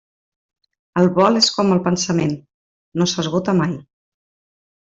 El vol és com el pensament: no s'esgota mai.